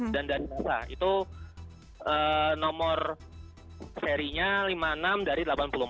dan dari masa itu nomor serinya lima puluh enam dari delapan puluh empat